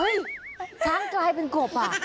เฮ้ยช้างจ่ายเป็นกบอ่ะ